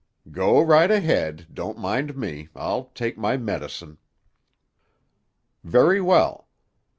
"Go right ahead. Don't mind me. I'll take my medicine." "Very well.